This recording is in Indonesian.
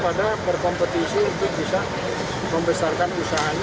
pada berkompetisi untuk bisa membesarkan usahanya